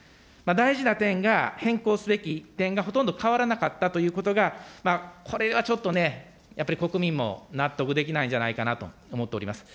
大事な点が、変更すべき点がほとんど変わらなかったということが、これがちょっとね、やっぱり国民も納得できないんじゃないかなと思っております。